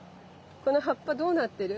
この葉っぱどうなってる？